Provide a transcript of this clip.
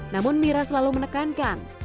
namun mira selalu menekankan